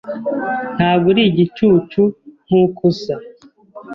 Ntabwo uri igicucu nkuko usa.